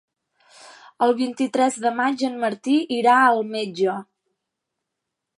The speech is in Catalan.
El vint-i-tres de maig en Martí irà al metge.